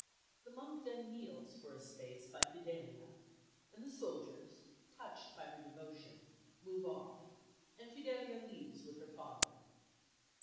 The monk then kneels for a space by Fidelia; and the soldiers, touched by her devotion, move off, and Fidelia leaves with her father.